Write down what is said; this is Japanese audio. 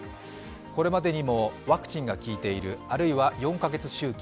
これまでにもワクチンが効いている、あるいは４カ月周期